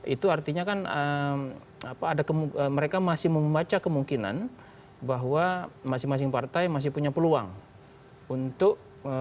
itu artinya kan mereka masih membaca kemungkinan bahwa masing masing partai masih punya peluang untuk